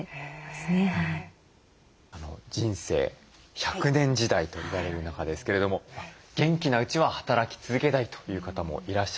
人生１００年時代といわれる中ですけれども元気なうちは働き続けたいという方もいらっしゃるのではないでしょうか。